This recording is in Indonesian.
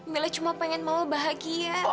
mila cuma pengen mau bahagia